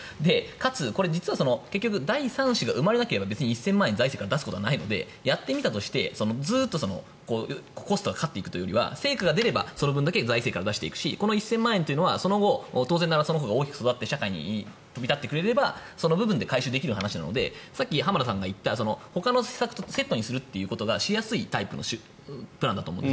かつ、実は第３子が生まれなければ１０００万円財政から出すことはないのでやってみたとしてずっとコストがかかっていくというよりは成果が出ればその分だけ財政から出していくしこの１０００万というのは当然ながらその子が大きくなって社会に飛び立ってくれればその部分で回収できる話なのでさっき浜田さんが言ったほかの施策とセットにすることがしやすいプランだと。